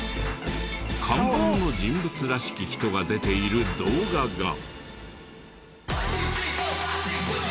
看板の人物らしき人が出ている動画が。